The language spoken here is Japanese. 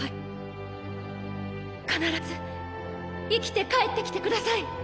必ず生きて帰ってきてください！